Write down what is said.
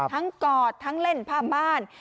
ทั้งกอดทั้งเล่นผ้าม่าน